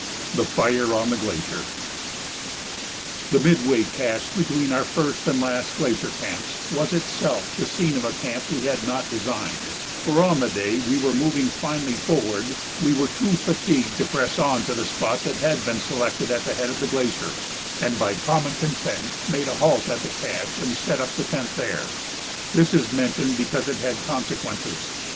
] [Sidenote: The Fire on the Glacier] The midway cache between our first and last glacier camps was itself the scene of a camp we had not designed, for on the day we were moving finally forward we were too fatigued to press on to the spot that had been selected at the head of the glacier, and by common consent made a halt at the cache and set up the tent there. This is mentioned because it had consequences.